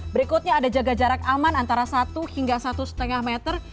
berikutnya ada jaga jarak aman antara satu hingga satu lima meter